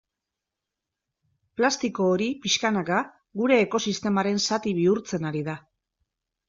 Plastiko hori pixkanaka gure ekosistemaren zati bihurtzen ari da.